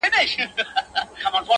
وو حاکم خو زور یې زیات تر وزیرانو!!